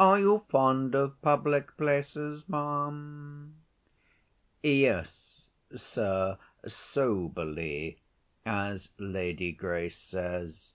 Are you fond of public places, ma'am?" "Yes, sir, soberly, as Lady Grace says."